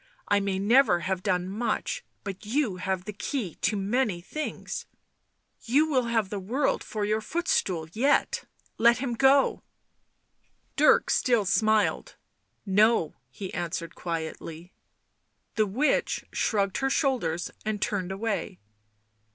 " I may never have done much, but you have the key to many things. You will have the world for your footstool yet — let him go." Dirk still smiled. " No," he answered quietly. The witch shrugged her shoulders and turned away.